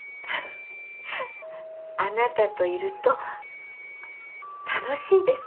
あなたといると楽しいです。